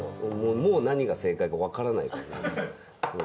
もう何が正解か分からないと思う